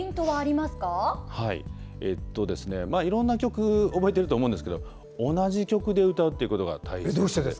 まあ、いろんな曲覚えてると思うんですけど同じ曲で歌うっていうことが大切です。